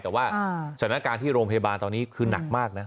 แต่ว่าสถานการณ์ที่โรงพยาบาลตอนนี้คือหนักมากนะ